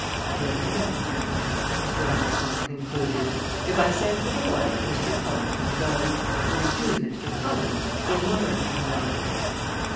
"Very well, gentlemen," Mr. Bundercombe concluded. "If I send for the lawyer Mr. Cullen can go. If you choose Mr. Cullen the lawyer can go."